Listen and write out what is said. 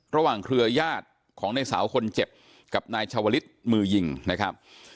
ระหว่างเครือยาติของนายสาวคนเจ็บกับนายชวลิศมือยิงนะครับ